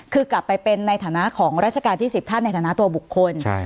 คือกลับไปเป็นในฐานะของราชการที่๑๐ท่านในฐานะตัวบุคคล